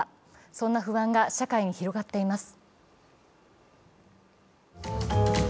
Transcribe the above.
そんな不安が社会に広がっています。